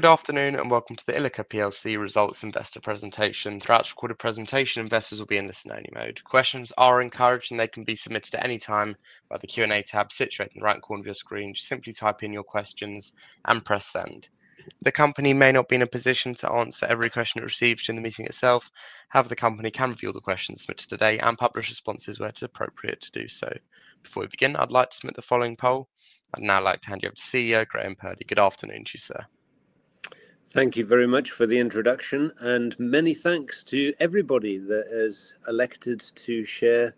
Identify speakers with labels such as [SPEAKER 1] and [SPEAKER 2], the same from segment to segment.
[SPEAKER 1] Good afternoon and welcome to the Ilika plc results investor presentation. Throughout the recorded presentation, investors will be in listener only mode. Questions are encouraged and they can be submitted at any time by the Q&A tab situated in the right corner of your screen. Just simply type in your questions and press send. The company may not be in a position to answer every question it receives during the meeting itself. However, the company can view all the questions submitted today and publish responses where it is appropriate to do so. Before we begin, I'd like to submit the following poll. I'd now like to hand you over to CEO Graeme Purdy. Good afternoon to you, sir.
[SPEAKER 2] Thank you very much for the introduction and many thanks to everybody that has elected to share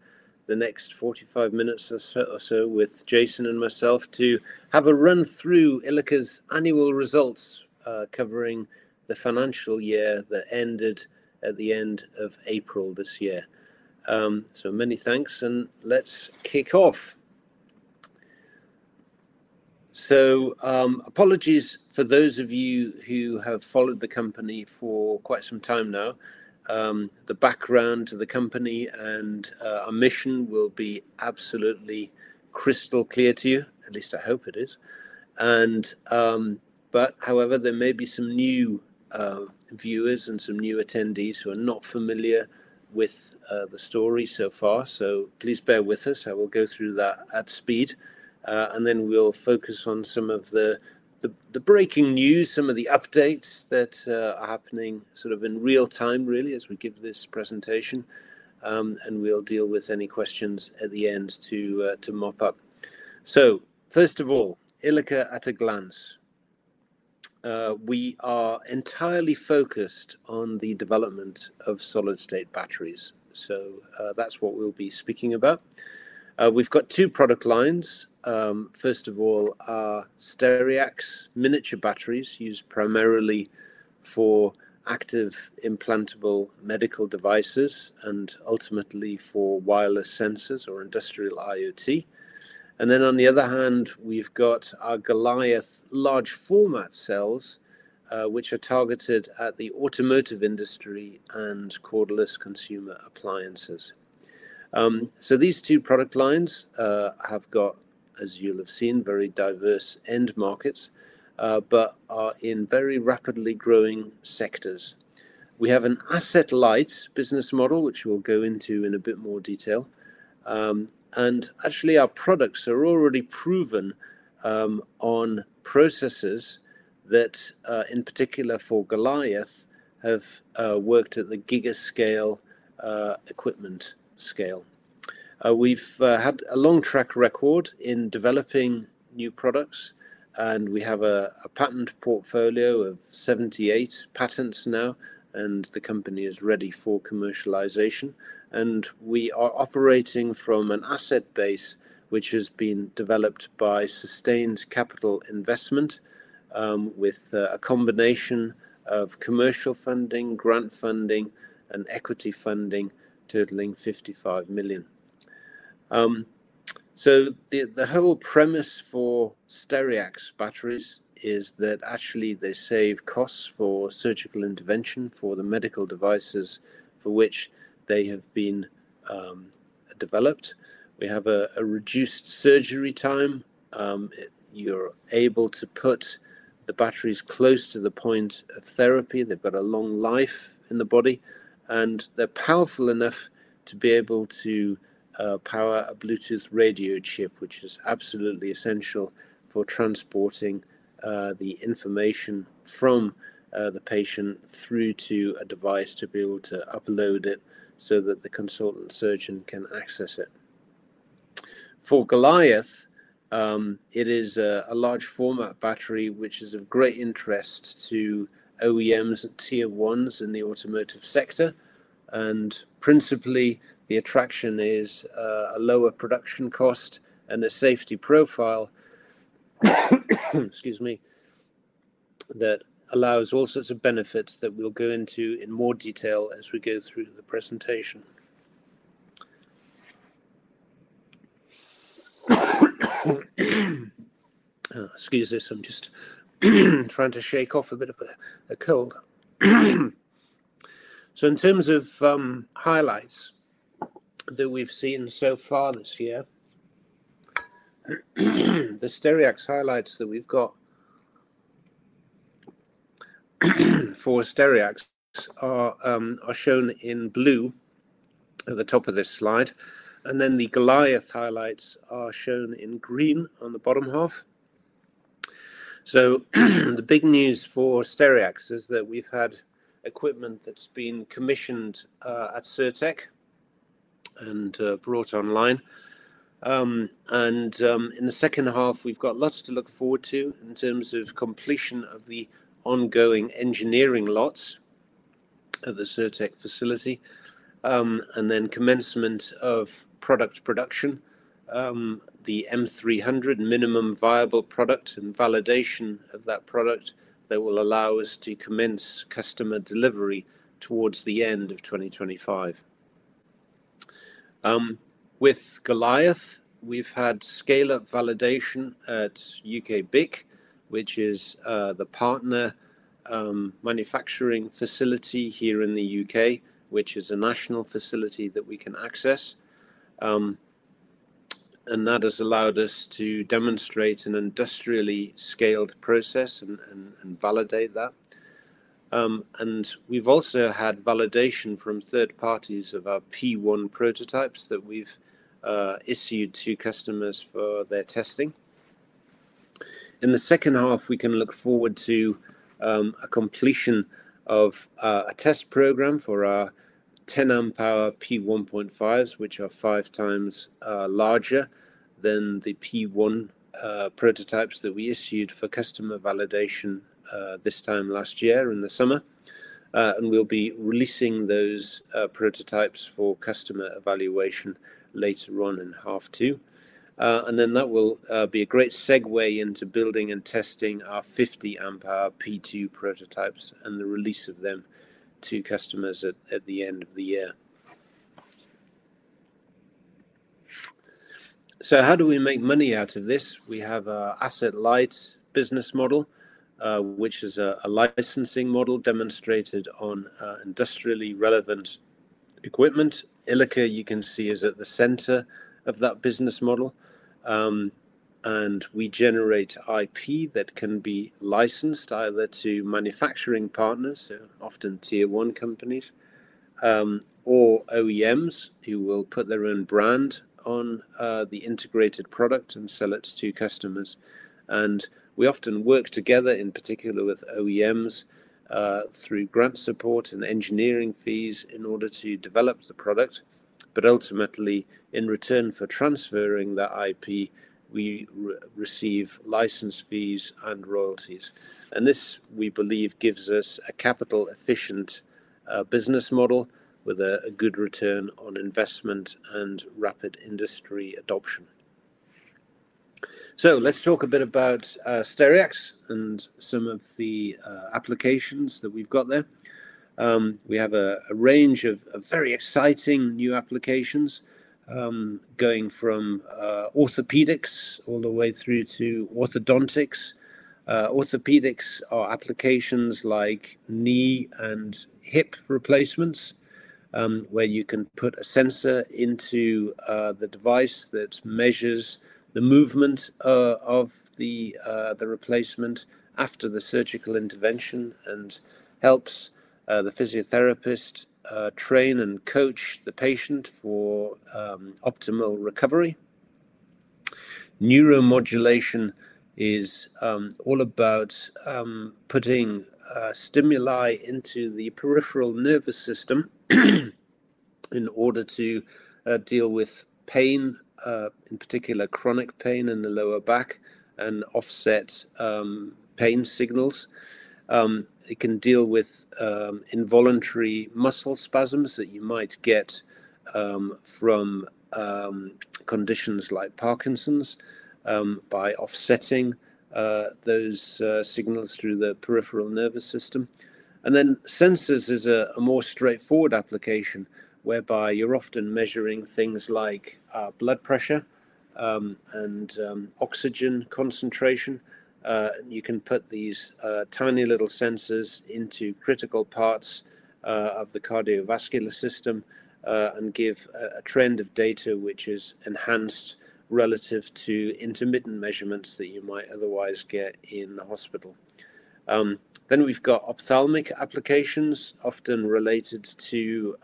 [SPEAKER 2] the next 45 minutes or so with Jason and myself to have a run through Ilika's annual results, covering the financial year that ended at the end of April this year. Many thanks and let's kick off. Apologies for those of you who have followed the company for quite some time now. The background to the company and our mission will be absolutely crystal clear to you. At least I hope it is. However, there may be some new viewers and some new attendees who are not familiar with the story so far. Please bear with us. I will go through that at speed, and then we'll focus on some of the breaking news, some of the updates that are happening sort of in real time, really, as we give this presentation. We'll deal with any questions at the end to mop up. First of all, Ilika at a glance. We are entirely focused on the development of solid-state batteries. That's what we'll be speaking about. We've got two product lines. First of all, our Stereax miniature batteries used primarily for active implantable medical devices and ultimately for wireless sensors or industrial IoT. On the other hand, we've got our Goliath large format cells, which are targeted at the automotive industry and cordless consumer appliances. These two product lines have got, as you'll have seen, very diverse end markets, but are in very rapidly growing sectors. We have an asset-light business model, which we'll go into in a bit more detail. Actually, our products are already proven on processes that, in particular for Goliath, have worked at the gigafactory equipment scale. We've had a long track record in developing new products, and we have a patent portfolio of 78 patents now, and the company is ready for commercialization. We are operating from an asset base which has been developed by sustained capital investment, with a combination of commercial funding, grant funding, and equity funding totaling 55 million. The whole premise for Stereax batteries is that actually they save costs for surgical intervention for the medical devices for which they have been developed. We have a reduced surgery time. You're able to put the batteries close to the point of therapy. They've got a long life in the body, and they're powerful enough to be able to power a Bluetooth radio chip, which is absolutely essential for transporting the information from the patient through to a device to be able to upload it so that the consultant surgeon can access it. For Goliath, it is a large format battery, which is of great interest to OEMs and tier ones in the automotive sector. Principally, the attraction is a lower production cost and a safety profile that allows all sorts of benefits that we'll go into in more detail as we go through the presentation. Excuse this, I'm just trying to shake off a bit of a cold. In terms of highlights that we've seen so far this year, the Stereax highlights that we've got for Stereax are shown in blue at the top of this slide, and the Goliath highlights are shown in green on the bottom half. The big news for Stereax is that we've had equipment that's been commissioned at Cirtec Medical and brought online. In the second half, we've got lots to look forward to in terms of completion of the ongoing engineering lots at the Cirtec Medical facility, and then commencement of product production, the M300 minimum viable product and validation of that product that will allow us to commence customer delivery towards the end of 2025. With Goliath, we've had scale-up validation at U.K. BIC, which is the partner manufacturing facility here in the U.K., which is a national facility that we can access. That has allowed us to demonstrate an industrially scaled process and validate that. We've also had validation from third parties of our P1 prototypes that we've issued to customers for their testing. In the second half, we can look forward to a completion of a test program for our 10 Ah P1.5s, which are 5x larger than the P1 prototypes that we issued for customer validation this time last year in the summer. We'll be releasing those prototypes for customer evaluation later on in half two. That will be a great segue into building and testing our 50 Ah P2 prototypes and the release of them to customers at the end of the year. How do we make money out of this? We have our asset-light business model, which is a licensing model demonstrated on industrially relevant equipment. Ilika, you can see, is at the center of that business model. We generate IP that can be licensed either to manufacturing partners, so often tier one companies, or OEMs who will put their own brand on the integrated product and sell it to customers. We often work together, in particular with OEMs, through grant support and engineering fees in order to develop the product. Ultimately, in return for transferring the IP, we receive license fees and royalties. This, we believe, gives us a capital-efficient business model with a good return on investment and rapid industry adoption. Let's talk a bit about Stereax and some of the applications that we've got there. We have a range of very exciting new applications, going from orthopedics all the way through to orthodontics. Orthopedics are applications like knee and hip replacements, where you can put a sensor into the device that measures the movement of the replacement after the surgical intervention and helps the physiotherapist train and coach the patient for optimal recovery. Neuromodulation is all about putting stimuli into the peripheral nervous system in order to deal with pain, in particular chronic pain in the lower back, and offset pain signals. It can deal with involuntary muscle spasms that you might get from conditions like Parkinson's by offsetting those signals through the peripheral nervous system. Sensors is a more straightforward application whereby you're often measuring things like blood pressure and oxygen concentration. You can put these tiny little sensors into critical parts of the cardiovascular system and give a trend of data which is enhanced relative to intermittent measurements that you might otherwise get in the hospital. We've got ophthalmic applications, often related to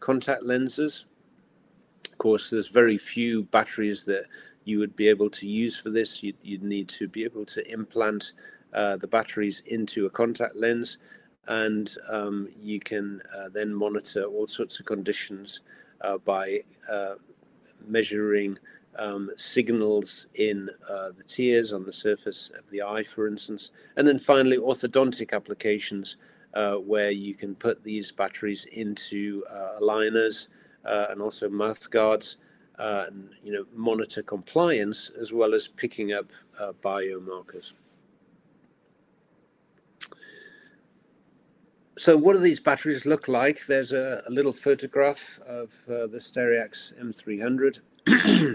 [SPEAKER 2] contact lenses. Of course, there's very few batteries that you would be able to use for this. You'd need to be able to implant the batteries into a contact lens, and you can then monitor all sorts of conditions by measuring signals in the tears on the surface of the eye, for instance. Finally, orthodontic applications where you can put these batteries into aligners and also mouth guards and monitor compliance as well as picking up biomarkers. What do these batteries look like? There's a little photograph of the Stereax M300.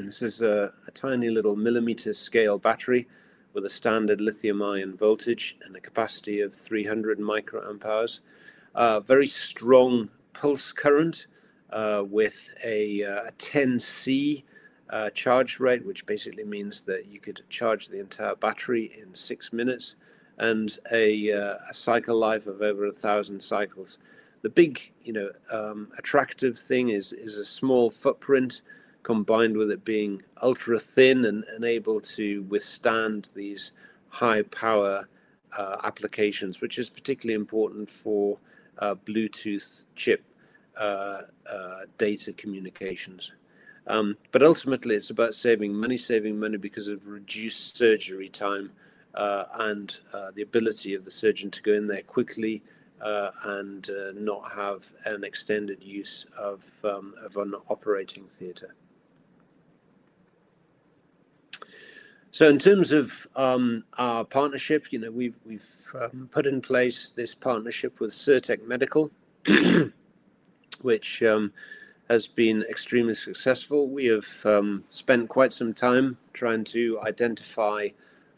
[SPEAKER 2] This is a tiny little millimeter scale battery with a standard lithium-ion voltage and a capacity of 300 µA. Very strong pulse current with a 10C charge rate, which basically means that you could charge the entire battery in six minutes and a cycle life of over a thousand cycles. The big, you know, attractive thing is a small footprint combined with it being ultra thin and able to withstand these high power applications, which is particularly important for Bluetooth chip data communications. Ultimately, it's about saving money, saving money because of reduced surgery time and the ability of the surgeon to go in there quickly and not have an extended use of an operating theater. In terms of our partnership, we've put in place this partnership with Cirtec Medical, which has been extremely successful. We have spent quite some time trying to identify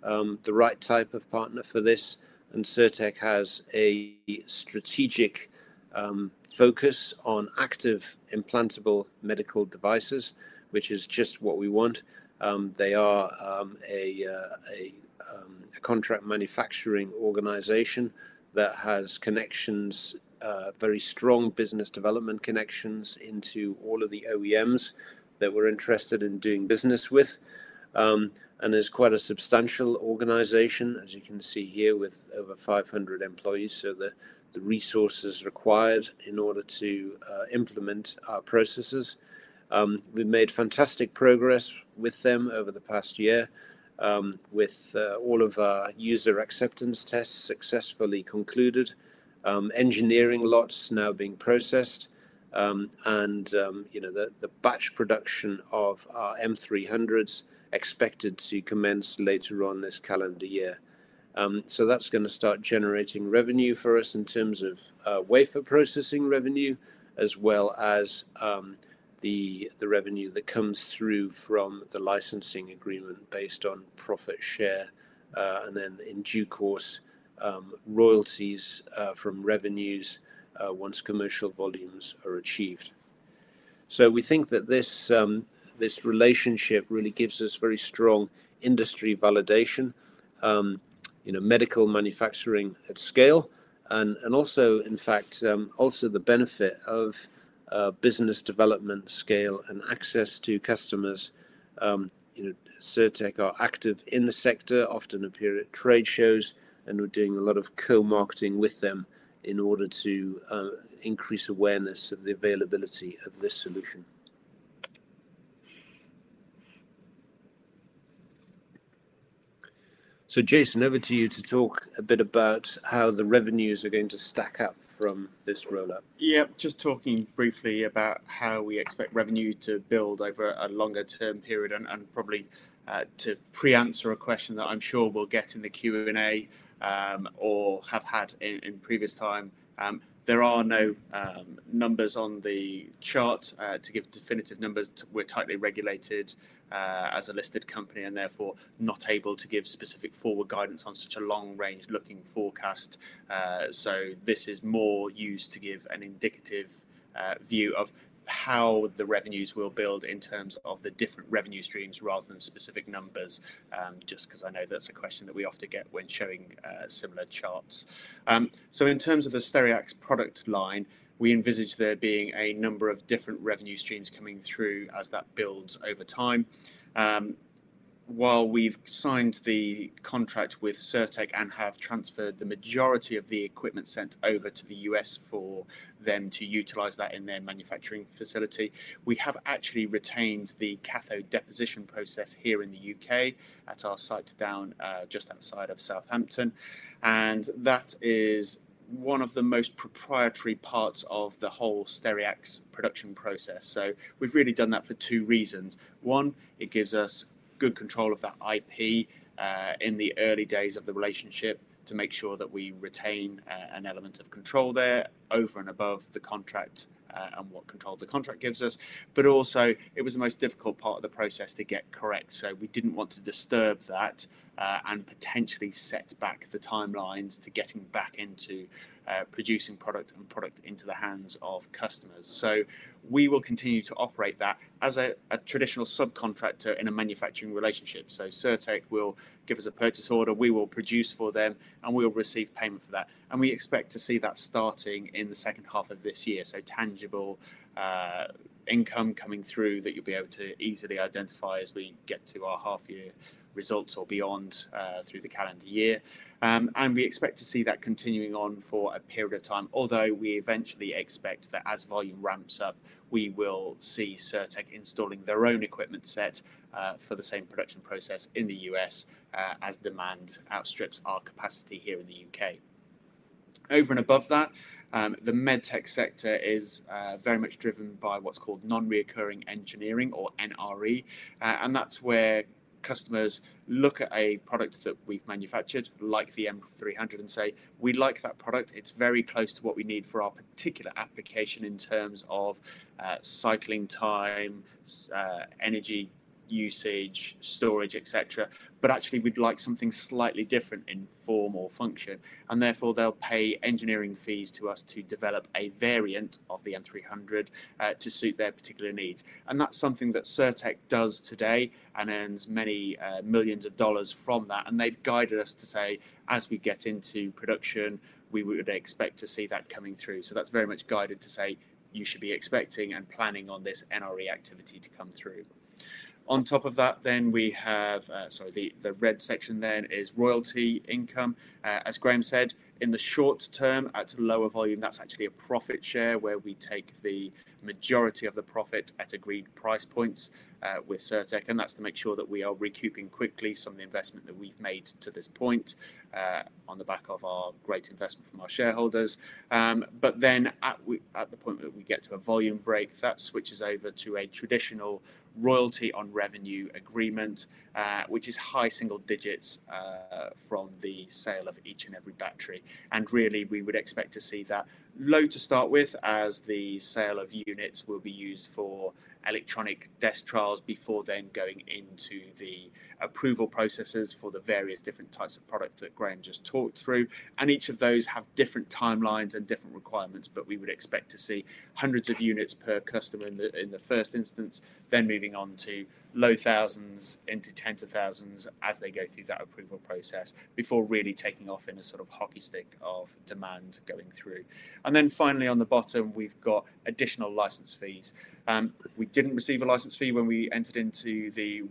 [SPEAKER 2] the right type of partner for this, and Cirtec has a strategic focus on active implantable medical devices, which is just what we want. They are a contract manufacturing organization that has very strong business development connections into all of the OEMs that we're interested in doing business with. It's quite a substantial organization, as you can see here, with over 500 employees. The resources required in order to implement our processes. We've made fantastic progress with them over the past year, with all of our user acceptance tests successfully concluded, engineering lots now being processed, and the batch production of our M300s expected to commence later on this calendar year. That's going to start generating revenue for us in terms of wafer processing revenue, as well as the revenue that comes through from the licensing agreement based on profit share, and then in due course, royalties from revenues once commercial volumes are achieved. We think that this relationship really gives us very strong industry validation, medical manufacturing at scale, and also, in fact, also the benefit of business development scale and access to customers. Cirtec are active in the sector, often appear at trade shows, and we're doing a lot of co-marketing with them in order to increase awareness of the availability of this solution. Jason, over to you to talk a bit about how the revenues are going to stack up from this rollout.
[SPEAKER 3] Yeah, just talking briefly about how we expect revenue to build over a longer term period, and probably to pre-answer a question that I'm sure we'll get in the Q&A or have had in previous time. There are no numbers on the chart to give definitive numbers. We're tightly regulated as a listed company and therefore not able to give specific forward guidance on such a long-range looking forecast. This is more used to give an indicative view of how the revenues will build in terms of the different revenue streams rather than specific numbers, just because I know that's a question that we often get when showing similar charts. In terms of the Stereax product line, we envisage there being a number of different revenue streams coming through as that builds over time. While we've signed the contract with Cirtec Medical and have transferred the majority of the equipment sent over to the U.S. for them to utilize that in their manufacturing facility, we have actually retained the cathode deposition process here in the U.K. at our site down just outside of Southampton. That is one of the most proprietary parts of the whole Stereax production process. We've really done that for two reasons. One, it gives us good control of that IP in the early days of the relationship to make sure that we retain an element of control there over and above the contract and what control the contract gives us. Also, it was the most difficult part of the process to get correct. We didn't want to disturb that and potentially set back the timelines to getting back into producing product and product into the hands of customers. We will continue to operate that as a traditional subcontractor in a manufacturing relationship. Cirtec Medical will give us a purchase order, we will produce for them, and we will receive payment for that. We expect to see that starting in the second half of this year. Tangible income coming through that you'll be able to easily identify as we get to our half-year results or beyond through the calendar year. We expect to see that continuing on for a period of time, although we eventually expect that as volume ramps up, we will see Cirtec Medical installing their own equipment set for the same production process in the U.S. as demand outstrips our capacity here in the U.K.. Over and above that, the medtech sector is very much driven by what's called non-reoccurring engineering or NRE. That's where customers look at a product that we've manufactured, like the M300, and say, "We like that product. It's very close to what we need for our particular application in terms of cycling time, energy usage, storage, etc. Actually, we'd like something slightly different in form or function." Therefore, they'll pay engineering fees to us to develop a variant of the M300 to suit their particular needs. That's something that Cirtec Medical does today and earns many millions of dollars from that. They've guided us to say, "As we get into production, we would expect to see that coming through." That is very much guided to say, "You should be expecting and planning on this NRE activity to come through." On top of that, the red section then is royalty income. As Graeme said, in the short term at a lower volume, that's actually a profit share where we take the majority of the profits at agreed price points with Cirtec Medical. That's to make sure that we are recouping quickly some of the investment that we've made to this point on the back of our great investment from our shareholders. At the point that we get to a volume break, that switches over to a traditional royalty on revenue agreement, which is high single digits from the sale of each and every battery. We would expect to see that low to start with as the sale of units will be used for electronic test trials before then going into the approval processes for the various different types of products that Graeme just talked through. Each of those have different timelines and different requirements, but we would expect to see hundreds of units per customer in the first instance, then moving on to low thousands into tens of thousands as they go through that approval process before really taking off in a sort of hockey stick of demand going through. Finally, on the bottom, we've got additional license fees. We didn't receive a license fee when we entered into the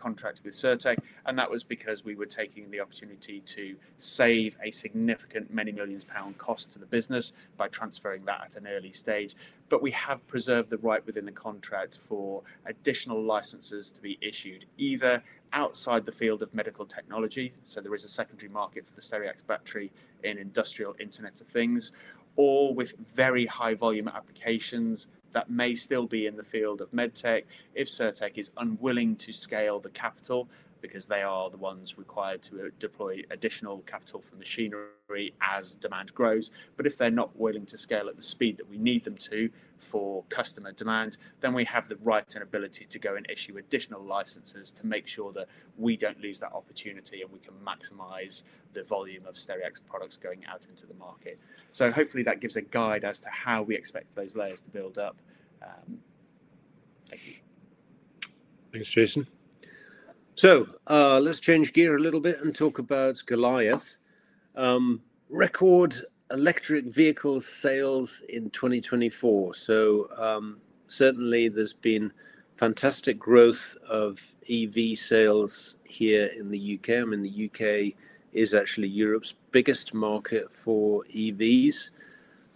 [SPEAKER 3] contract with Cirtec Medical. That was because we were taking the opportunity to save a significant many millions pound cost to the business by transferring that at an early stage. We have preserved the right within the contract for additional licenses to be issued either outside the field of medical technology. There is a secondary market for the Stereax battery in industrial internet of things, or with very high volume applications that may still be in the field of medtech if Cirtec Medical is unwilling to scale the capital because they are the ones required to deploy additional capital for machinery as demand grows. If they're not willing to scale at the speed that we need them to for customer demand, we have the right and ability to go and issue additional licenses to make sure that we don't lose that opportunity and we can maximize the volume of Stereax products going out into the market. Hopefully, that gives a guide as to how we expect those layers to build up. Thank you.
[SPEAKER 2] Thanks, Jason. Let's change gear a little bit and talk about Goliath. Record electric vehicle sales in 2024. Certainly, there's been fantastic growth of EV sales here in the U.K. The U.K. is actually Europe's biggest market for EVs.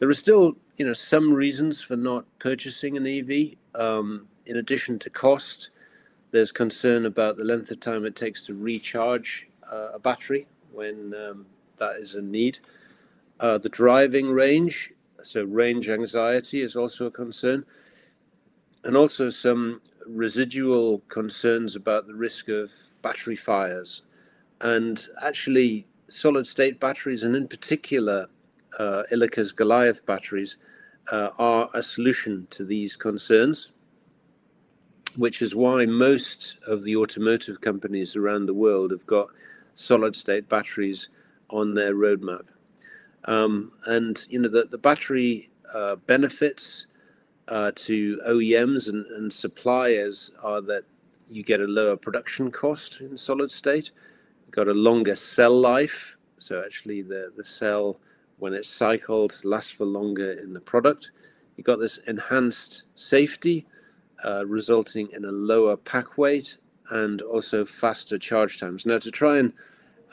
[SPEAKER 2] There are still some reasons for not purchasing an EV. In addition to cost, there's concern about the length of time it takes to recharge a battery when that is a need. The driving range, so range anxiety is also a concern. There are also some residual concerns about the risk of battery fires. Actually, solid-state batteries, and in particular, Ilika's Goliath batteries, are a solution to these concerns, which is why most of the automotive companies around the world have got solid-state batteries on their roadmap. The battery benefits to OEMs and suppliers are that you get a lower production cost in solid-state. You've got a longer cell life, so the cell, when it's cycled, lasts for longer in the product. You've got this enhanced safety, resulting in a lower pack weight and also faster charge times. To try and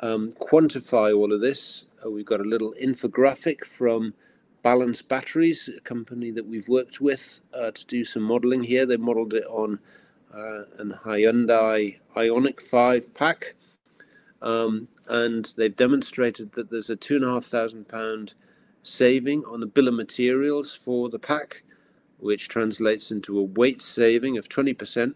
[SPEAKER 2] quantify all of this, we've got a little infographic from Balance Batteries, a company that we've worked with to do some modeling here. They modeled it on a Hyundai Ioniq 5 pack, and they demonstrated that there's a 2,500 pound saving on the bill of materials for the pack, which translates into a weight saving of 20%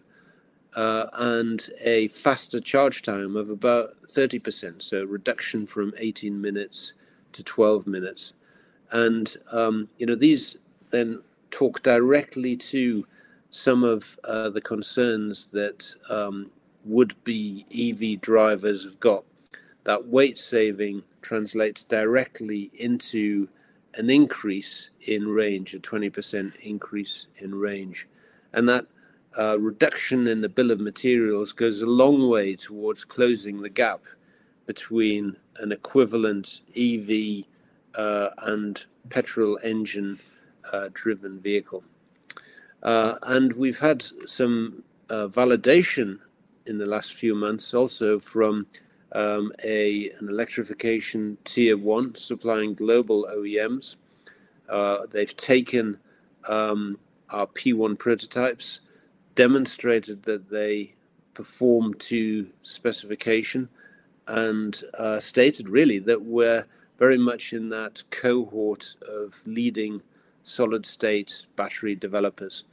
[SPEAKER 2] and a faster charge time of about 30%. A reduction from 18 minutes-12 minutes. These then talk directly to some of the concerns that would-be EV drivers have got. That weight saving translates directly into an increase in range, a 20% increase in range. That reduction in the bill of materials goes a long way towards closing the gap between an equivalent EV and petrol engine-driven vehicle. We've had some validation in the last few months also from an electrification tier one supplying global OEMs. They've taken our P1 prototypes, demonstrated that they perform to specification, and stated really that we're very much in that cohort of leading solid-state battery developers.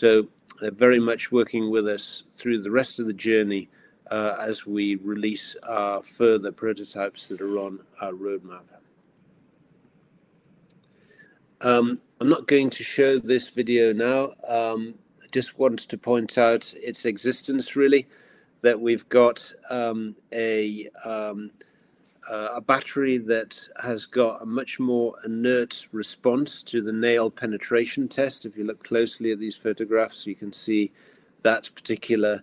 [SPEAKER 2] They're very much working with us through the rest of the journey as we release our further prototypes that are on our roadmap. I'm not going to show this video now. I just wanted to point out its existence, really, that we've got a battery that has got a much more inert response to the nail penetration test. If you look closely at these photographs, you can see that particular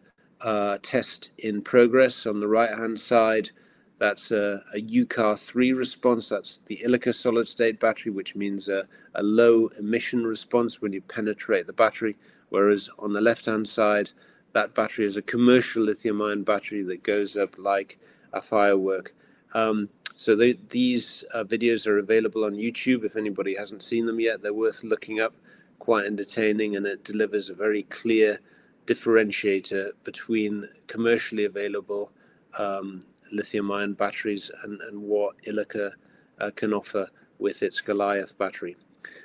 [SPEAKER 2] test in progress. On the right-hand side, that's a U-CAR 3 response. That's the Ilika solid-state battery, which means a low emission response when you penetrate the battery. Whereas on the left-hand side, that battery is a commercial lithium-ion battery that goes up like a firework. These videos are available on YouTube. If anybody hasn't seen them yet, they're worth looking up. Quite entertaining, and it delivers a very clear differentiator between commercially available lithium-ion batteries and what Ilika can offer with its Goliath battery.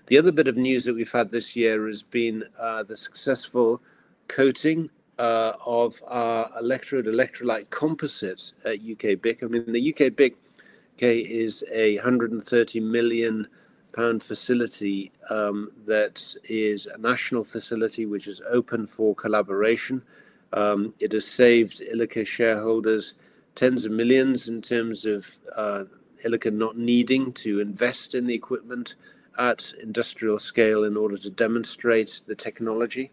[SPEAKER 2] The other bit of news that we've had this year has been the successful coating of our electrode electrolyte composites at U.K. BIC. The U.K. BIC is a GBP 130 million facility that is a national facility which is open for collaboration. It has saved Ilika shareholders tens of millions in terms of Ilika not needing to invest in the equipment at industrial scale in order to demonstrate the technology.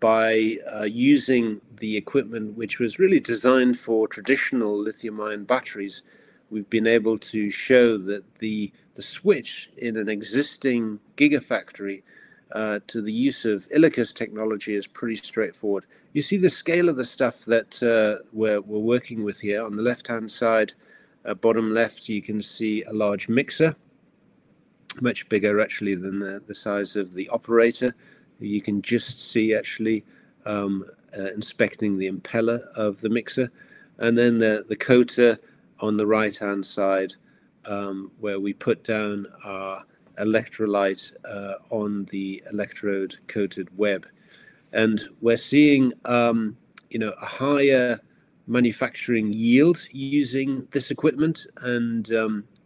[SPEAKER 2] By using the equipment, which was really designed for traditional lithium-ion batteries, we've been able to show that the switch in an existing gigafactory to the use of Ilika's technology is pretty straightforward. You see the scale of the stuff that we're working with here. On the left-hand side, bottom left, you can see a large mixer, much bigger actually than the size of the operator. You can just see actually inspecting the impeller of the mixer. Then the coater on the right-hand side where we put down our electrolyte on the electrode-coated web. We're seeing a higher manufacturing yield using this equipment and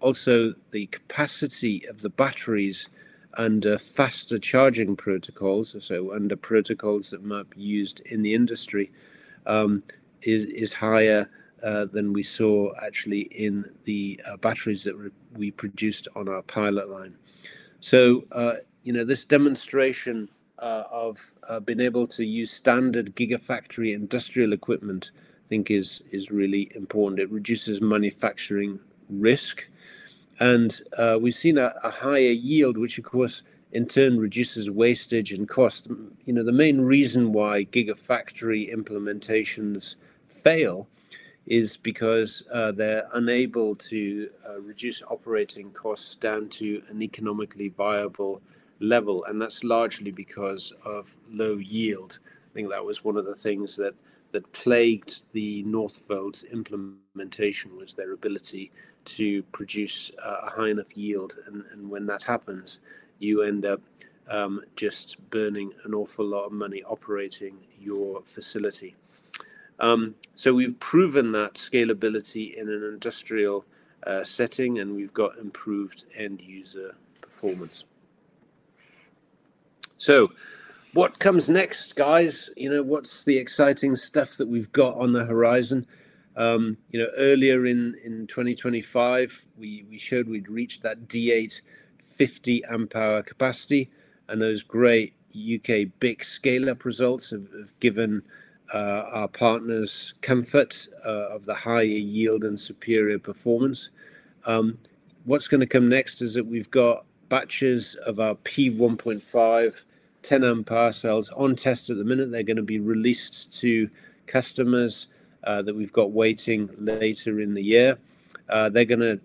[SPEAKER 2] also the capacity of the batteries under faster charging protocols, so under protocols that might be used in the industry, is higher than we saw actually in the batteries that we produced on our pilot line. This demonstration of being able to use standard gigafactory industrial equipment, I think, is really important. It reduces manufacturing risk. We've seen a higher yield, which, of course, in turn reduces wastage and cost. The main reason why gigafactory implementations fail is because they're unable to reduce operating costs down to an economically viable level. That's largely because of low yield. I think that was one of the things that plagued the Northvolt implementation, was their ability to produce a high enough yield. When that happens, you end up just burning an awful lot of money operating your facility. We've proven that scalability in an industrial setting, and we've got improved end-user performance. What comes next, guys? What's the exciting stuff that we've got on the horizon? Earlier in 2025, we showed we'd reached that D8 50 Ah capacity. Those great U.K. big scale-up results have given our partners comfort of the higher yield and superior performance. What's going to come next is that we've got batches of our P1.5 10 Ah cells on test at the minute. They're going to be released to customers that we've got waiting later in the year. They're going to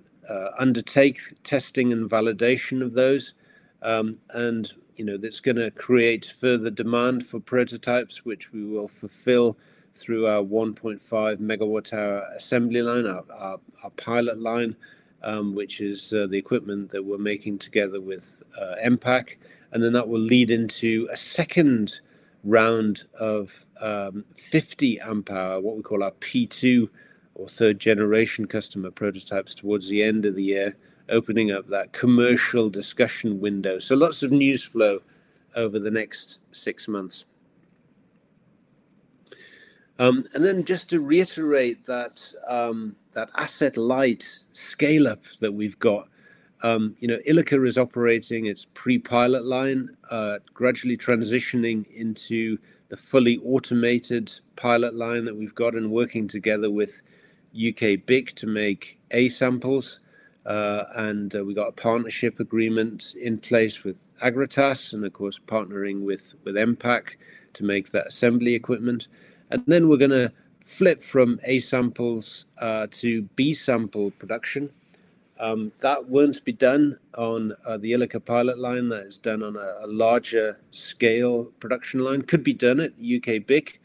[SPEAKER 2] undertake testing and validation of those. That's going to create further demand for prototypes, which we will fulfill through our 1.5 MWh assembly line, our pilot line, which is the equipment that we're making together with MPAC. That will lead into a second round of 50 Ah, what we call our P2 or third-generation customer prototypes towards the end of the year, opening up that commercial discussion window. There will be lots of news flow over the next six months. Just to reiterate that asset-light scale-up that we've got, Ilika is operating its pre-pilot line, gradually transitioning into the fully automated pilot line that we've got and working together with U.K. BIC to make A samples. We've got a partnership agreement in place with Agritas and, of course, partnering with MPAC to make that assembly equipment. We're going to flip from A samples to B sample production. That won't be done on the Ilika pilot line. That is done on a larger scale production line. It could be done at U.K. BIC,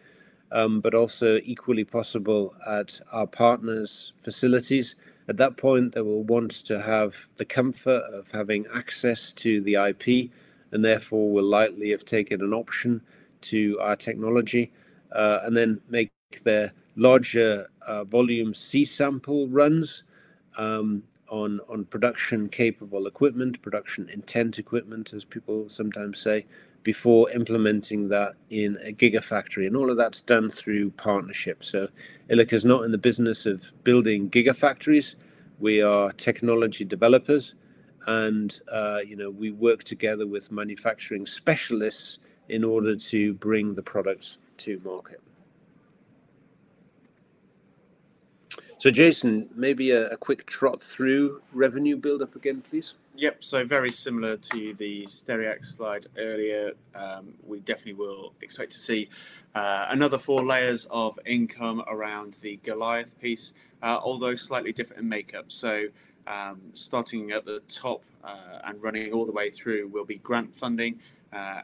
[SPEAKER 2] but also equally possible at our partners' facilities. At that point, they will want to have the comfort of having access to the IP and therefore will likely have taken an option to our technology and then make their larger volume C sample runs on production-capable equipment, production-intent equipment, as people sometimes say, before implementing that in a gigafactory. All of that's done through partnership. Ilika is not in the business of building gigafactories. We are technology developers, and we work together with manufacturing specialists in order to bring the products to market. Jason, maybe a quick trot through revenue buildup again, please.
[SPEAKER 3] Yep. Very similar to the Stereax slide earlier, we definitely will expect to see another four layers of income around the Goliath piece, although slightly different in makeup. Starting at the top and running all the way through will be grant funding.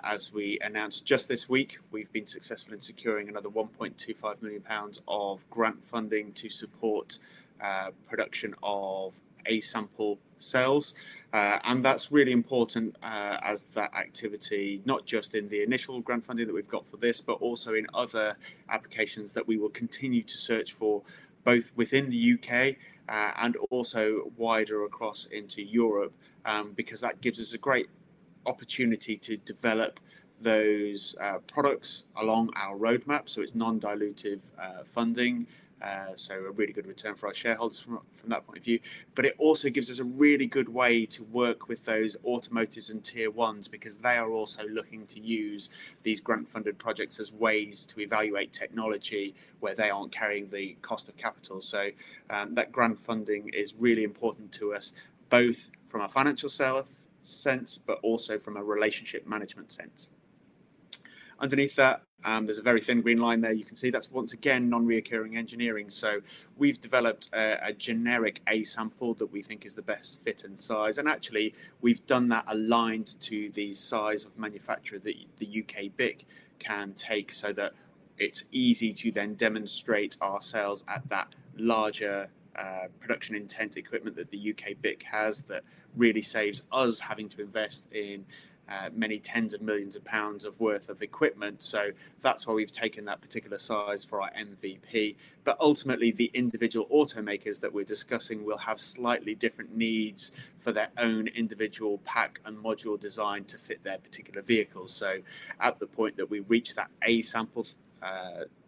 [SPEAKER 3] As we announced just this week, we've been successful in securing another 1.25 million pounds of grant funding to support production of A sample cells. That's really important as that activity, not just in the initial grant funding that we've got for this, but also in other applications that we will continue to search for both within the U.K. and also wider across into Europe, because that gives us a great opportunity to develop those products along our roadmap. It's non-dilutive funding, so a really good return for our shareholders from that point of view. It also gives us a really good way to work with those automotives and tier ones because they are also looking to use these grant-funded projects as ways to evaluate technology where they aren't carrying the cost of capital. That grant funding is really important to us, both from a financial sales sense, but also from a relationship management sense. Underneath that, there's a very thin green line there. You can see that's once again non-recurring engineering. We've developed a generic A sample that we think is the best fit and size. Actually, we've done that aligned to the size of manufacturer that the U.K. BIC can take so that it's easy to then demonstrate ourselves at that larger production-intent equipment that the U.K. BIC has that really saves us having to invest in many tens of millions of pounds worth of equipment. That's why we've taken that particular size for our MVP. Ultimately, the individual automakers that we're discussing will have slightly different needs for their own individual pack and module design to fit their particular vehicles. At the point that we reach that A sample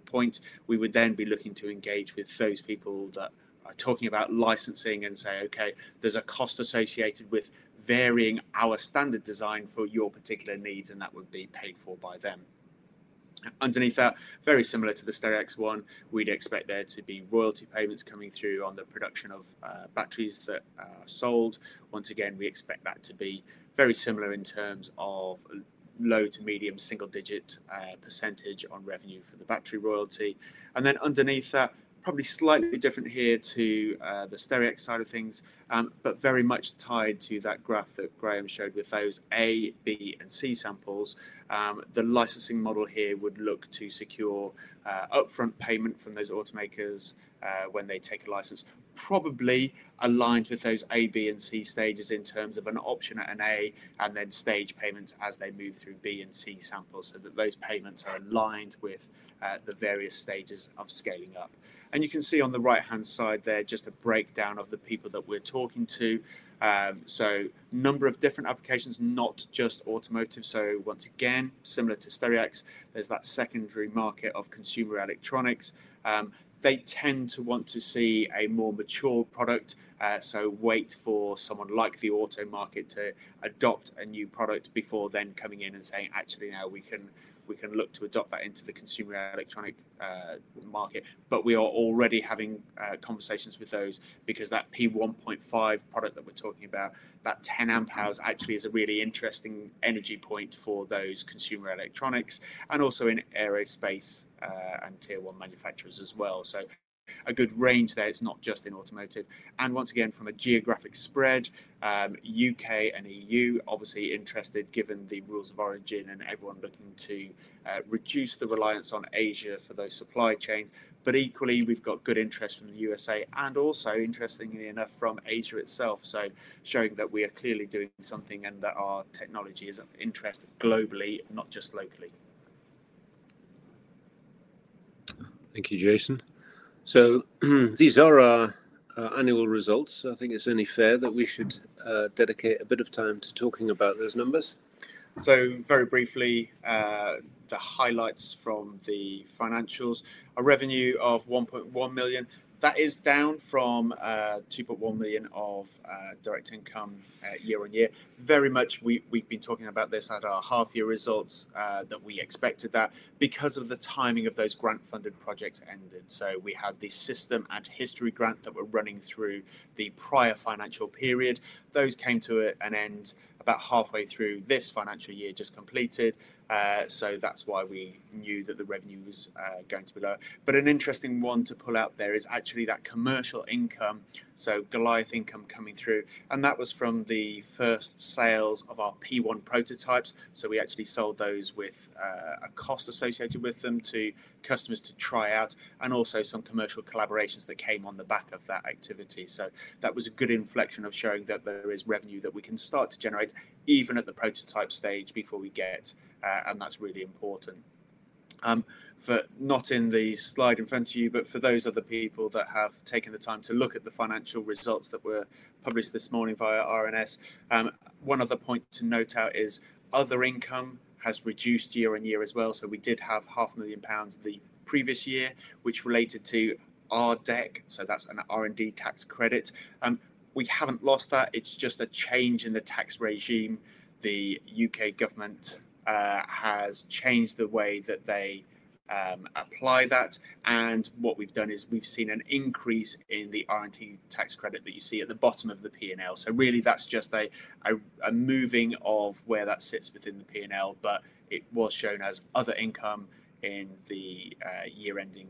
[SPEAKER 3] point, we would then be looking to engage with those people that are talking about licensing and say, "Okay, there's a cost associated with varying our standard design for your particular needs," and that would be paid for by them. Underneath that, very similar to the Stereax one, we'd expect there to be royalty payments coming through on the production of batteries that are sold. Once again, we expect that to be very similar in terms of low to medium single-digit percentage on revenue for the battery royalty. Underneath that, probably slightly different here to the Stereax side of things, but very much tied to that graph that Graeme showed with those A, B, and C samples. The licensing model here would look to secure upfront payment from those automakers when they take a license, probably aligned with those A, B, and C stages in terms of an option at an A and then stage payments as they move through B and C samples so that those payments are aligned with the various stages of scaling up. You can see on the right-hand side there just a breakdown of the people that we're talking to. A number of different applications, not just automotive. Once again, similar to Stereax, there's that secondary market of consumer electronics. They tend to want to see a more mature product, wait for someone like the auto market to adopt a new product before then coming in and saying, "Actually, now we can look to adopt that into the consumer electronic market." We are already having conversations with those because that P1.5 product that we're talking about, that 10 Ahs, actually is a really interesting energy point for those consumer electronics and also in aerospace and tier one manufacturers as well. A good range there. It's not just in automotive. Once again, from a geographic spread, U.K. and EU obviously interested given the rules of origin and everyone looking to reduce the reliance on Asia for those supply chains. Equally, we've got good interest from the U.S.A. and also, interestingly enough, from Asia itself. Showing that we are clearly doing something and that our technology is of interest globally, not just locally.
[SPEAKER 2] Thank you, Jason. These are our annual results. I think it's only fair that we should dedicate a bit of time to talking about those numbers.
[SPEAKER 3] Very briefly, the highlights from the financials: a revenue of 1.1 million. That is down from 2.1 million of direct income year-on-year. We've been talking about this at our half-year results that we expected that because of the timing of those grant-funded projects ended. We had the SystematIC History grant that was running through the prior financial period. Those came to an end about halfway through this financial year just completed. That's why we knew that the revenue was going to be low. An interesting one to pull out there is actually that commercial income, so Goliath income coming through. That was from the first sales of our P1 prototypes. We actually sold those with a cost associated with them to customers to try out and also some commercial collaborations that came on the back of that activity. That was a good inflection of showing that there is revenue that we can start to generate even at the prototype stage before we get it, and that's really important. Not in the slide in front of you, but for those other people that have taken the time to look at the financial results that were published this morning via RNS, one other point to note is other income has reduced year-on-year as well. We did have 0.5 million pounds the previous year, which related to RDEC. That's an R&D tax credit. We haven't lost that. It's just a change in the tax regime. The U.K. government has changed the way that they apply that. What we've done is we've seen an increase in the R&D tax credit that you see at the bottom of the P&L. Really, that's just a moving of where that sits within the P&L. It was shown as other income in the year ending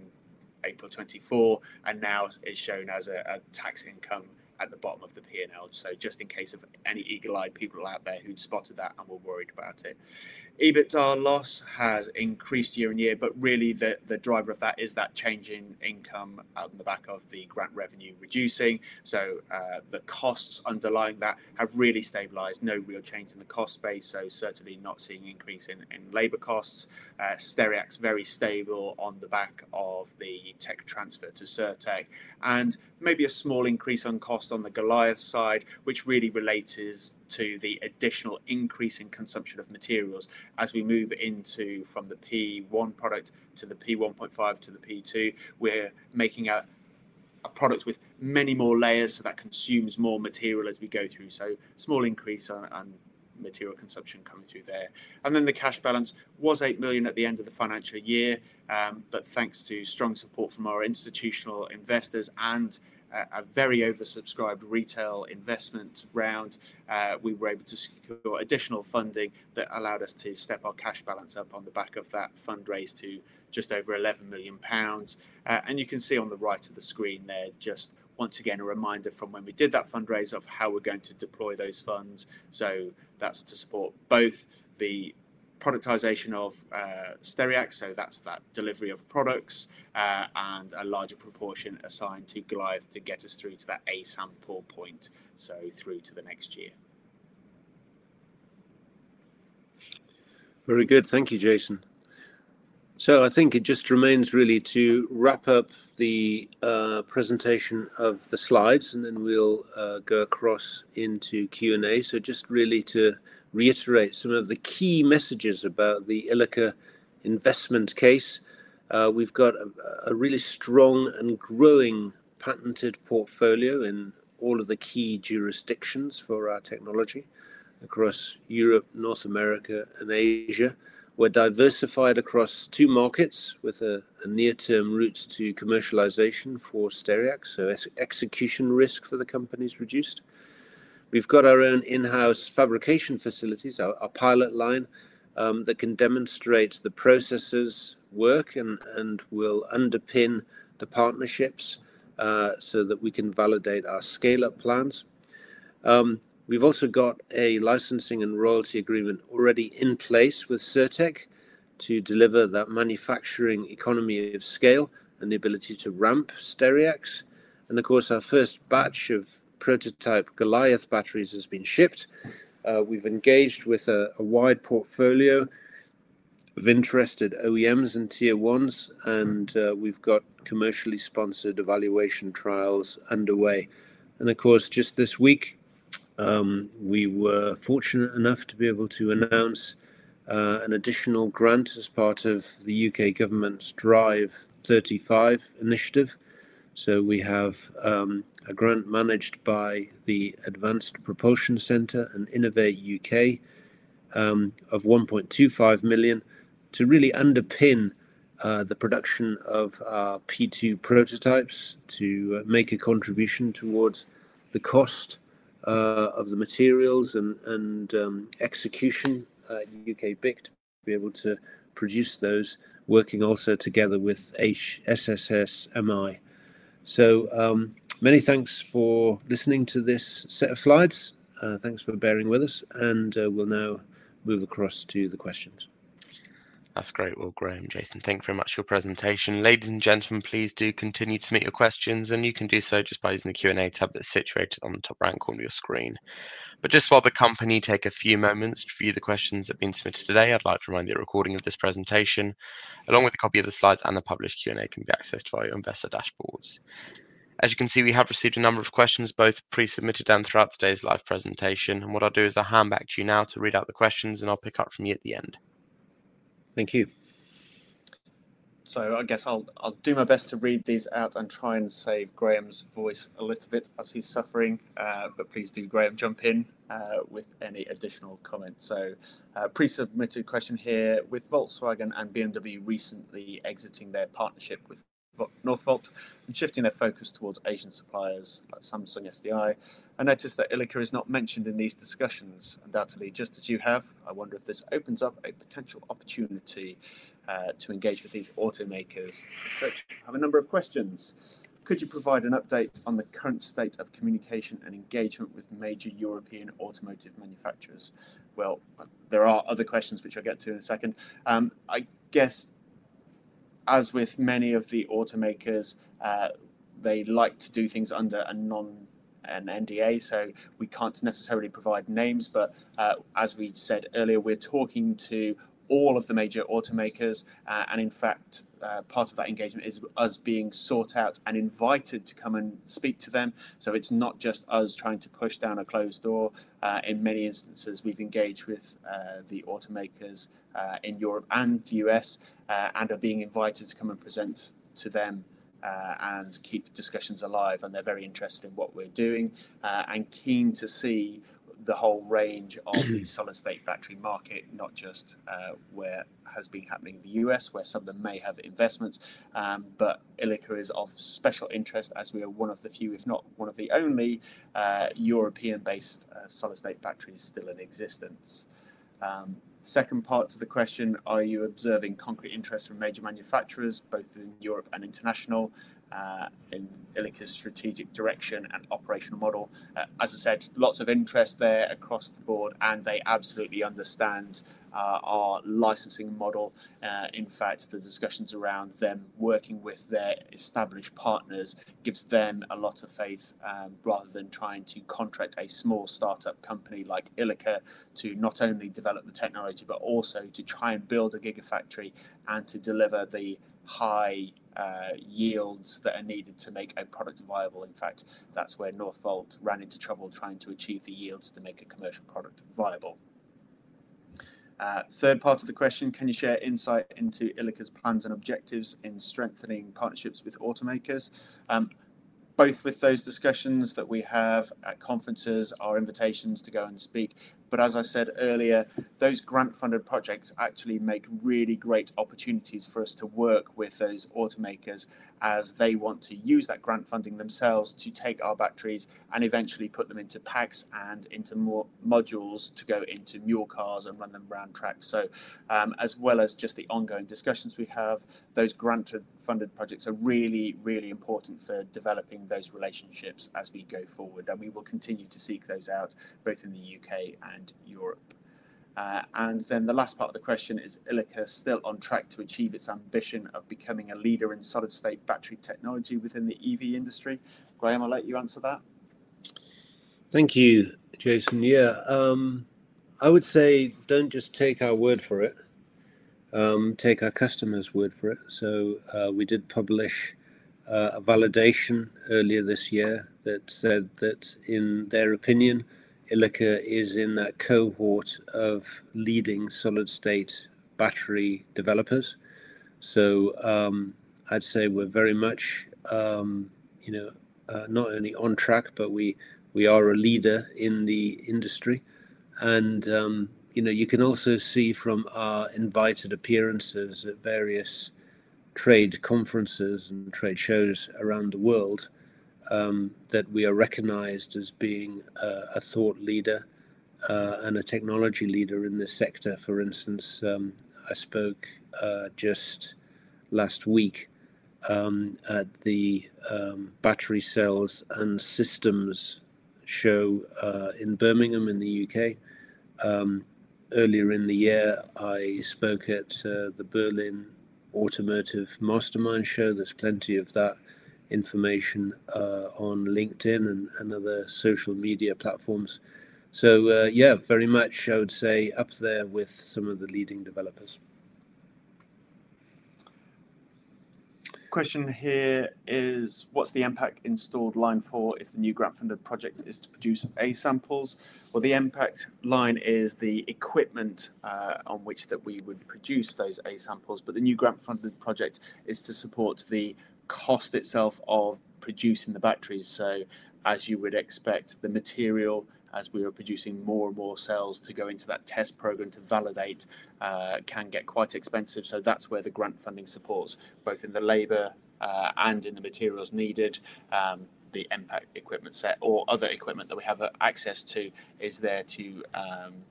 [SPEAKER 3] April 2024 and now is shown as a tax income at the bottom of the P&L, just in case of any eagle-eyed people out there who'd spotted that and were worried about it. EBITDA loss has increased year-on-year, but really, the driver of that is that changing income on the back of the grant revenue reducing. The costs underlying that have really stabilized. No real change in the cost base. Certainly not seeing an increase in labor costs. Stereax is very stable on the back of the tech transfer to Cirtec Medical, and maybe a small increase on costs on the Goliath side, which really relates to the additional increase in consumption of materials. As we move from the P1 product to the P1.5 to the P2, we're making a product with many more layers, so that consumes more material as we go through. A small increase on material consumption coming through there. The cash balance was 8 million at the end of the financial year. Thanks to strong support from our institutional investors and a very oversubscribed retail investment round, we were able to secure additional funding that allowed us to step our cash balance up on the back of that fundraise to just over 11 million pounds. You can see on the right of the screen there, just once again, a reminder from when we did that fundraise of how we're going to deploy those funds. That's to support both the productization of Stereax, so that's that delivery of products, and a larger proportion assigned to Goliath to get us through to that A sample point, through to the next year.
[SPEAKER 2] Very good. Thank you, Jason. I think it just remains really to wrap up the presentation of the slides, and then we'll go across into Q&A. Just really to reiterate some of the key messages about the Ilika investment case. We've got a really strong and growing patented portfolio in all of the key jurisdictions for our technology across Europe, North America, and Asia. We're diversified across two markets with a near-term route to commercialization for Stereax. Execution risk for the company is reduced. We've got our own in-house fabrication facilities, our pilot line, that can demonstrate the processes work and will underpin the partnerships so that we can validate our scale-up plans. We've also got a licensing and royalty agreement already in place with Cirtec Medical to deliver that manufacturing economy of scale and the ability to ramp Stereax. Of course, our first batch of prototype Goliath batteries has been shipped. We've engaged with a wide portfolio of interested OEMs and tier ones, and we've got commercially sponsored evaluation trials underway. This week, we were fortunate enough to be able to announce an additional grant as part of the U.K. government's Drive 35 initiative. We have a grant managed by the Advanced Propulsion Center and Innovate U.K. of 1.25 million to really underpin the production of our P2 prototypes to make a contribution towards the cost of the materials and execution at U.K. BIC to be able to produce those, working also together with HSSMI. Many thanks for listening to this set of slides. Thanks for bearing with us, and we'll now move across to the questions.
[SPEAKER 1] That's great. Graeme, Jason, thank you very much for your presentation. Ladies and gentlemen, please do continue to submit your questions, and you can do so just by using the Q&A tab that's situated on the top right corner of your screen. Just while the company takes a few moments to view the questions that have been submitted today, I'd like to remind you that the recording of this presentation, along with a copy of the slides and the published Q&A, can be accessed via your investor dashboards. As you can see, we have received a number of questions, both pre-submitted and throughout today's live presentation. What I'll do is I'll hand back to you now to read out the questions, and I'll pick up from you at the end.
[SPEAKER 2] Thank you.
[SPEAKER 3] I guess I'll do my best to read these out and try and save Graeme's voice a little bit as he's suffering, but please do Graeme jump in with any additional comments. A pre-submitted question here: with Volkswagen and BMW recently exiting their partnership with Northvolt and shifting their focus towards Asian suppliers like Samsung SDI, I noticed that Ilika is not mentioned in these discussions. Undoubtedly, just as you have, I wonder if this opens up a potential opportunity to engage with these automakers. I have a number of questions. Could you provide an update on the current state of communication and engagement with major European automotive manufacturers? There are other questions, which I'll get to in a second. As with many of the automakers, they like to do things under an NDA, so we can't necessarily provide names. As we said earlier, we're talking to all of the major automakers, and in fact, part of that engagement is us being sought out and invited to come and speak to them. It's not just us trying to push down a closed door. In many instances, we've engaged with the automakers in Europe and the U.S. and are being invited to come and present to them and keep discussions alive. They're very interested in what we're doing and keen to see the whole range of the solid-state battery market, not just where it has been happening in the U.S., where some of them may have investments. Ilika is of special interest as we are one of the few, if not one of the only, European-based solid-state batteries still in existence. Second part to the question: are you observing concrete interest from major manufacturers, both in Europe and international, in Ilika's strategic direction and operational model? As I said, lots of interest there across the board, and they absolutely understand our licensing model. The discussions around them working with their established partners give them a lot of faith rather than trying to contract a small startup company like Ilika to not only develop the technology, but also to try and build a gigafactory and to deliver the high yields that are needed to make a product viable. That's where Northvolt ran into trouble trying to achieve the yields to make a commercial product viable. Third part of the question: can you share insight into Ilika's plans and objectives in strengthening partnerships with automakers? Both with those discussions that we have at conferences or invitations to go and speak. As I said earlier, those grant-funded projects actually make really great opportunities for us to work with those automakers as they want to use that grant funding themselves to take our batteries and eventually put them into packs and into more modules to go into new cars and run them around tracks. As well as just the ongoing discussions we have, those grant-funded projects are really, really important for developing those relationships as we go forward. We will continue to seek those out both in the U.K. and Europe. The last part of the question is: is Ilika still on track to achieve its ambition of becoming a leader in solid-state battery technology within the EV industry? Graeme, I'll let you answer that.
[SPEAKER 2] Thank you, Jason. Yeah, I would say don't just take our word for it. Take our customers' word for it. We did publish a validation earlier this year that said that in their opinion, Ilika is in that cohort of leading solid-state battery developers. I'd say we're very much not only on track, but we are a leader in the industry. You can also see from our invited appearances at various trade conferences and trade shows around the world that we are recognized as being a thought leader and a technology leader in this sector. For instance, I spoke just last week at the Battery Cells and Systems Show in Birmingham in the U.K.. Earlier in the year, I spoke at the Berlin Automotive Mastermind Show. There's plenty of that information on LinkedIn and other social media platforms. Yeah, very much, I would say, up there with some of the leading developers.
[SPEAKER 3] Question here is: what's the MPAC installed line for if the new grant-funded project is to produce A samples? The MPAC line is the equipment on which we would produce those A samples. The new grant-funded project is to support the cost itself of producing the batteries. As you would expect, the material, as we are producing more and more cells to go into that test program to validate, can get quite expensive. That's where the grant funding supports, both in the labor and in the materials needed. The MPAC equipment set or other equipment that we have access to is there to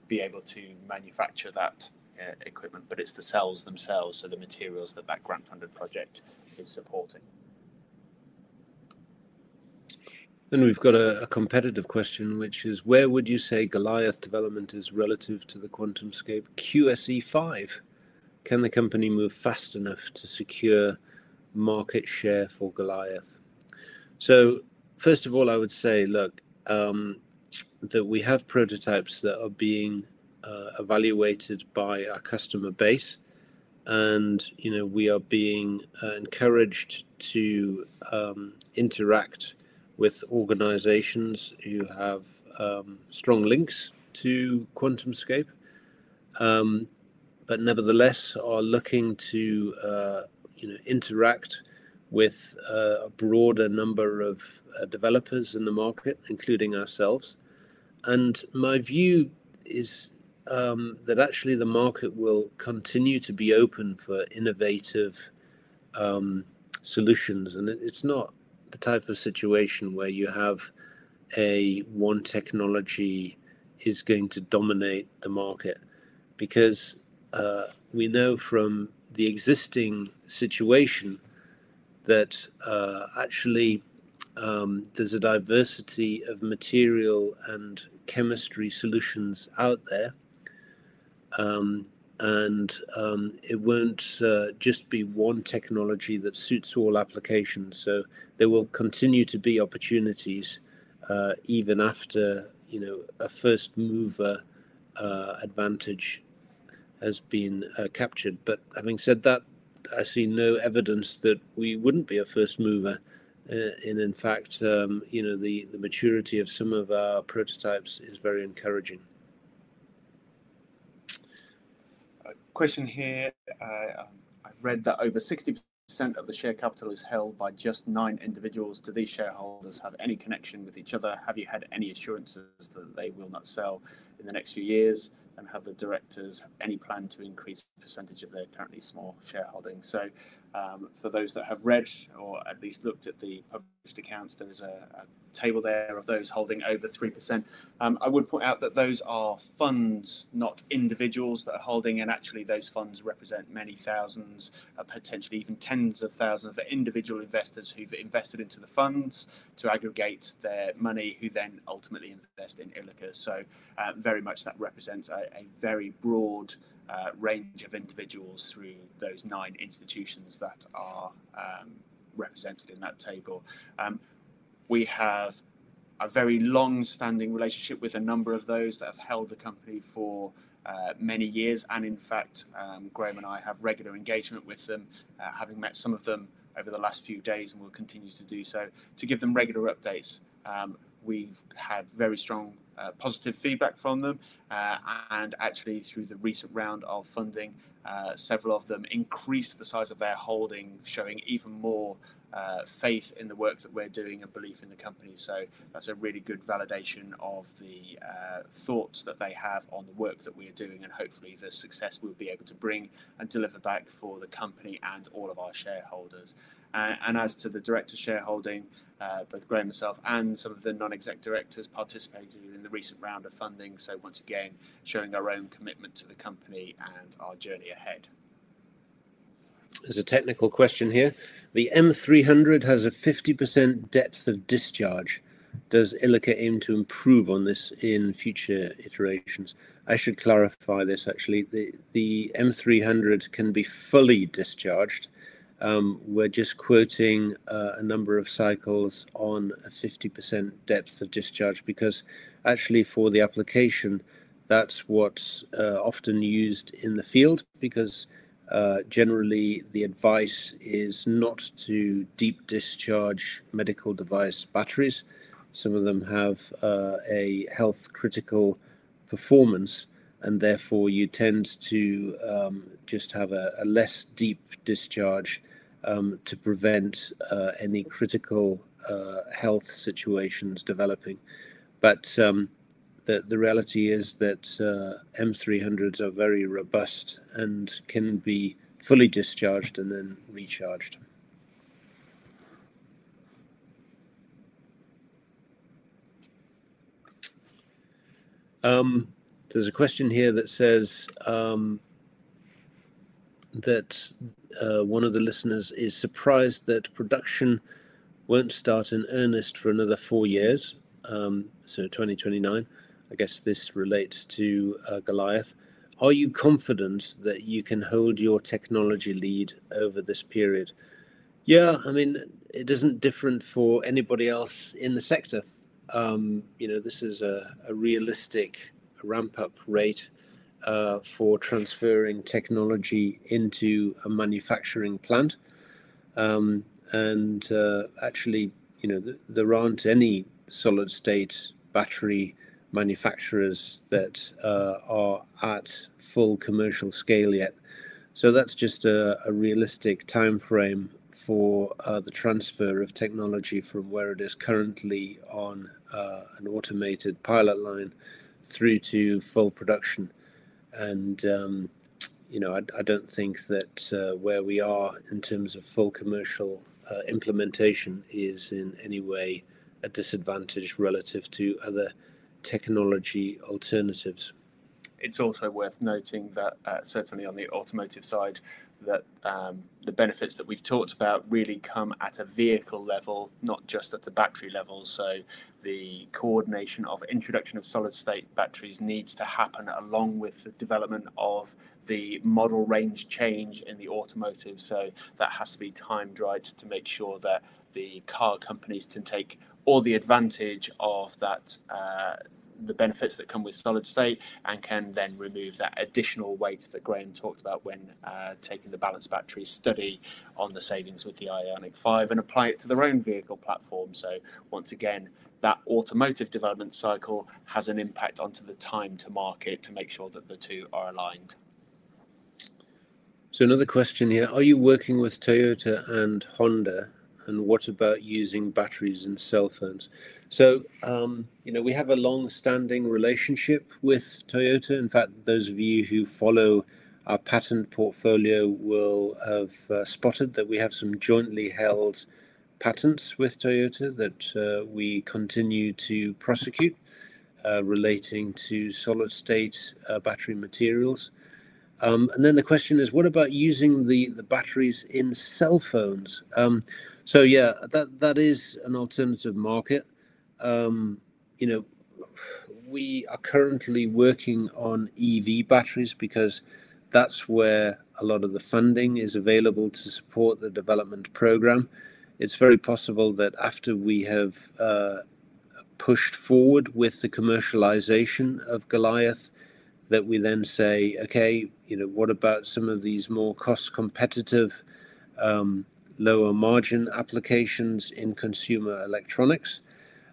[SPEAKER 3] be able to manufacture that equipment. It's the cells themselves, so the materials that that grant-funded project is supporting.
[SPEAKER 2] We have a competitive question, which is: where would you say Goliath development is relative to the QuantumScape QSE5? Can the company move fast enough to secure market share for Goliath? First of all, I would say, look, that we have prototypes that are being evaluated by our customer base. We are being encouraged to interact with organizations who have strong links to QuantumScape, but nevertheless are looking to interact with a broader number of developers in the market, including ourselves. My view is that actually the market will continue to be open for innovative solutions. It is not the type of situation where you have one technology that is going to dominate the market because we know from the existing situation that actually there is a diversity of material and chemistry solutions out there. It will not just be one technology that suits all applications. There will continue to be opportunities even after a first mover advantage has been captured. Having said that, I see no evidence that we would not be a first mover. In fact, the maturity of some of our prototypes is very encouraging. I've read that over 60% of the share capital is held by just nine individuals. Do these shareholders have any connection with each other? Have you had any assurances that they will not sell in the next few years? Have the directors any plan to increase the percentage of their currently small shareholding? For those that have read or at least looked at the published accounts, there is a table there of those holding over 3%. I would point out that those are funds, not individuals that are holding. Actually, those funds represent many thousands, potentially even tens of thousands of individual investors who've invested into the funds to aggregate their money, who then ultimately invest in Ilika. That represents a very broad range of individuals through those nine institutions that are represented in that table. We have a very longstanding relationship with a number of those that have held the company for many years. In fact, Graeme and I have regular engagement with them, having met some of them over the last few days, and we'll continue to do so to give them regular updates. We've had very strong positive feedback from them. Through the recent round of funding, several of them increased the size of their holding, showing even more faith in the work that we're doing and belief in the company. That's a really good validation of the thoughts that they have on the work that we are doing and hopefully the success we'll be able to bring and deliver back for the company and all of our shareholders. As to the director shareholding, both Graeme, myself, and some of the non-exec directors participated in the recent round of funding, once again showing our own commitment to the company and our journey ahead. There's a technical question here. The M300 has a 50% depth of discharge. Does Ilika aim to improve on this in future iterations? I should clarify this, actually. The M300 can be fully discharged. We're just quoting a number of cycles on a 50% depth of discharge because, actually, for the application, that's what's often used in the field. Generally, the advice is not to deep discharge medical device batteries. Some of them have a health-critical performance, and therefore, you tend to just have a less deep discharge to prevent any critical health situations developing. The reality is that M300s are very robust and can be fully discharged and then recharged. There's a question here that says that one of the listeners is surprised that production won't start in earnest for another four years, so 2029. I guess this relates to Goliath. Are you confident that you can hold your technology lead over this period? Yeah, I mean, it isn't different for anybody else in the sector. This is a realistic ramp-up rate for transferring technology into a manufacturing plant. Actually, there aren't any solid-state battery manufacturers that are at full commercial scale yet. That's just a realistic timeframe for the transfer of technology from where it is currently on an automated pilot line through to full production. I don't think that where we are in terms of full commercial implementation is in any way a disadvantage relative to other technology alternatives.
[SPEAKER 3] It's also worth noting that certainly on the automotive side, the benefits that we've talked about really come at a vehicle level, not just at a battery level. The coordination of introduction of solid-state batteries needs to happen along with the development of the model range change in the automotive. That has to be time tied to make sure that the car companies can take all the advantage of the benefits that come with solid-state and can then remove that additional weight that Graeme talked about when taking the Balance Batteries study on the savings with the Ioniq 5 and apply it to their own vehicle platform. Once again, that automotive development cycle has an impact on the time to market to make sure that the two are aligned.
[SPEAKER 2] Another question here: are you working with Toyota and Honda, and what about using batteries in cell phones? We have a longstanding relationship with Toyota. In fact, those of you who follow our patent portfolio will have spotted that we have some jointly held patents with Toyota that we continue to prosecute relating to solid-state battery materials. The question is, what about using the batteries in cell phones? That is an alternative market. We are currently working on EV batteries because that's where a lot of the funding is available to support the development program. It's very possible that after we have pushed forward with the commercialization of Goliath, that we then say, okay, what about some of these more cost-competitive, lower margin applications in consumer electronics?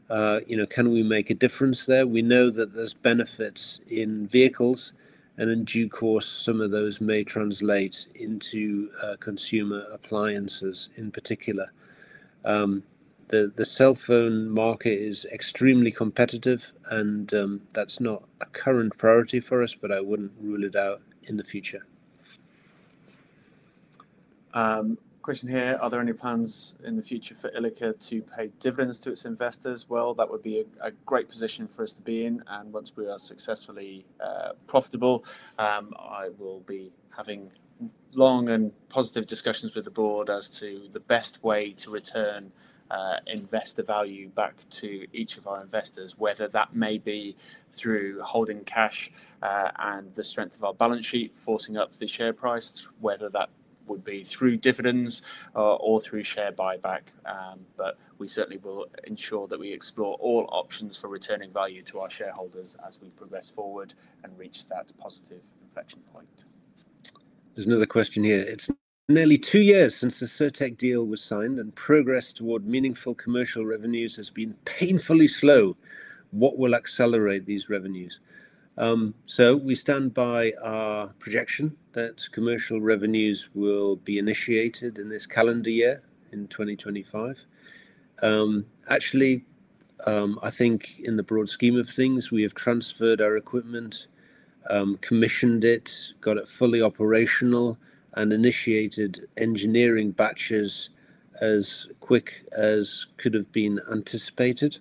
[SPEAKER 2] Can we make a difference there? We know that there's benefits in vehicles, and in due course, some of those may translate into consumer appliances in particular. The cell phone market is extremely competitive, and that's not a current priority for us, but I wouldn't rule it out in the future.
[SPEAKER 3] Are there any plans in the future for Ilika to pay dividends to its investors? That would be a great position for us to be in. Once we are successfully profitable, I will be having long and positive discussions with the Board as to the best way to return investor value back to each of our investors, whether that may be through holding cash and the strength of our balance sheet, forcing up the share price, whether that would be through dividends or through share buyback. We certainly will ensure that we explore all options for returning value to our shareholders as we progress forward and reach that positive inflection point.
[SPEAKER 2] There's another question here: it's nearly two years since the Cirtec Medical deal was signed, and progress toward meaningful commercial revenues has been painfully slow. What will accelerate these revenues? We stand by our projection that commercial revenues will be initiated in this calendar year in 2025. Actually, I think in the broad scheme of things, we have transferred our equipment, commissioned it, got it fully operational, and initiated engineering batches as quick as could have been anticipated.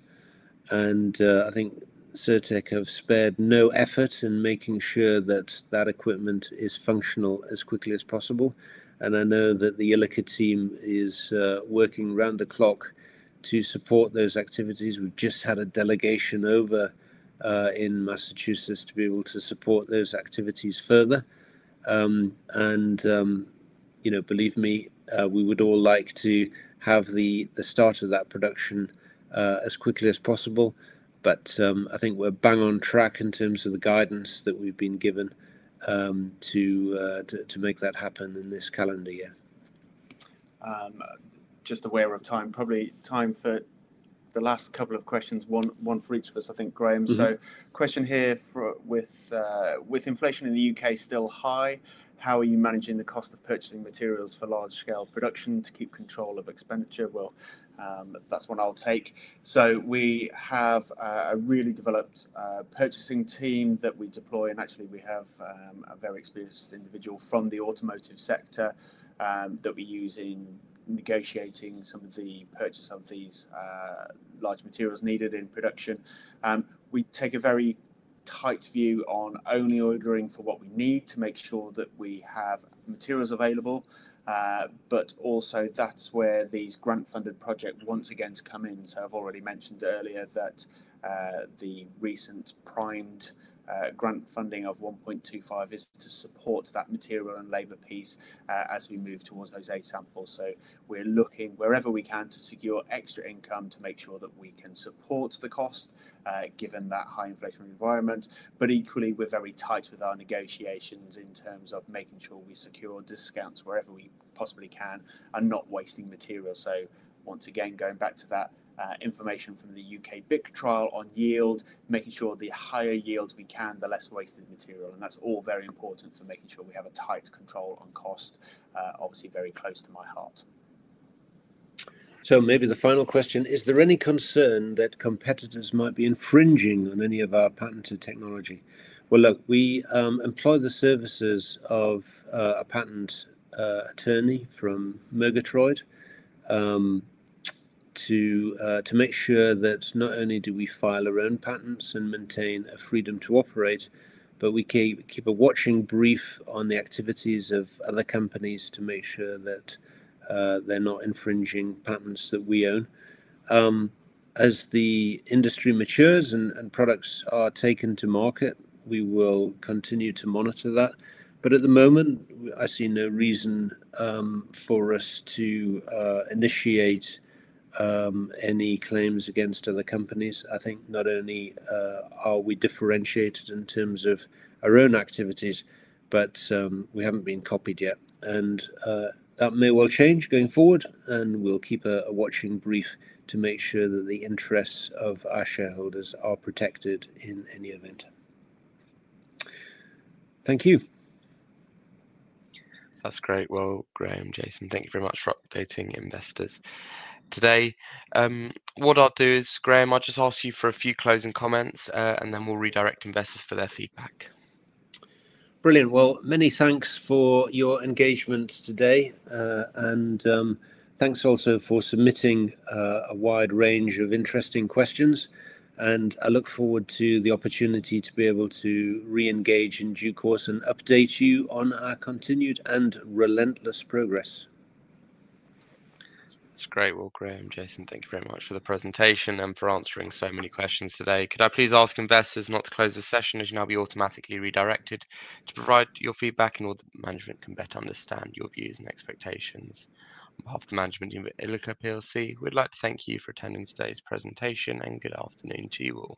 [SPEAKER 2] I think Cirtec Medical have spared no effort in making sure that that equipment is functional as quickly as possible. I know that the Ilika team is working round the clock to support those activities. We've just had a delegation over in Massachusetts to be able to support those activities further. You know, believe me, we would all like to have the start of that production as quickly as possible. I think we're bang on track in terms of the guidance that we've been given to make that happen in this calendar year.
[SPEAKER 3] Just aware of time, probably time for the last couple of questions, one for each of us, I think, Graeme. So question here: with inflation in the U.K. still high, how are you managing the cost of purchasing materials for large-scale production to keep control of expenditure? That's one I'll take. We have a really developed purchasing team that we deploy, and actually, we have a very experienced individual from the automotive sector that we use in negotiating some of the purchase of these large materials needed in production. We take a very tight view on only ordering for what we need to make sure that we have materials available. That's where these grant-funded projects once again come in. I've already mentioned earlier that the recent primed grant funding of 1.25 million is to support that material and labor piece as we move towards those A samples. We're looking wherever we can to secure extra income to make sure that we can support the cost given that high inflation environment. Equally, we're very tight with our negotiations in terms of making sure we secure discounts wherever we possibly can and not wasting material. Once again, going back to that information from the U.K. Battery Industrialisation Centre trial on yield, making sure the higher yield we can, the less wasted material. That's all very important for making sure we have a tight control on cost, obviously very close to my heart.
[SPEAKER 2] Maybe the final question: is there any concern that competitors might be infringing on any of our patented technology? We employ the services of a patent attorney from Murgitroyd to make sure that not only do we file our own patents and maintain a freedom to operate, but we keep a watching brief on the activities of other companies to make sure that they're not infringing patents that we own. As the industry matures and products are taken to market, we will continue to monitor that. At the moment, I see no reason for us to initiate any claims against other companies. I think not only are we differentiated in terms of our own activities, but we haven't been copied yet. That may well change going forward. We'll keep a watching brief to make sure that the interests of our shareholders are protected in any event. Thank you.
[SPEAKER 1] That's great. Graeme, Jason, thank you very much for updating investors today. What I'll do is, Graeme, I'll just ask you for a few closing comments, and then we'll redirect investors for their feedback.
[SPEAKER 2] Brilliant. Many thanks for your engagement today. Thanks also for submitting a wide range of interesting questions. I look forward to the opportunity to be able to re-engage in due course and update you on our continued and relentless progress.
[SPEAKER 1] That's great. Graeme, Jason, thank you very much for the presentation and for answering so many questions today. Could I please ask investors not to close the session as you will now be automatically redirected to provide your feedback in order that management can better understand your views and expectations? On behalf of the management of Ilika plc, we'd like to thank you for attending today's presentation and good afternoon to you all.